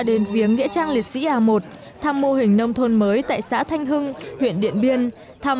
đền viếng nghĩa trang liệt sĩ a một thăm mô hình nông thôn mới tại xã thanh hưng huyện điện biên thăm